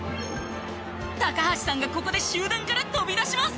高橋さんがここで集団から飛び出します！